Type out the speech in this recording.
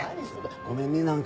ごめんねなんか。